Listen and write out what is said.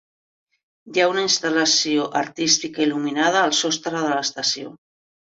Hi ha una instal·lació artística il·luminada al sostre de l'estació.